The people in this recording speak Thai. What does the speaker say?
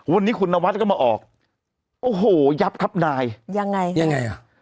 วันนี้คุณนวัดก็มาออกโอ้โหยับครับนายยังไงยังไงอ่ะ